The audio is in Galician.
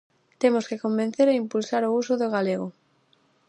Temos que convencer e impulsar o uso do galego.